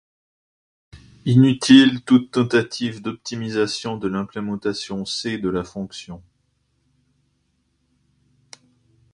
Cela rend généralement inutile toute tentative d'optimisation de l'implémentation C de la fonction.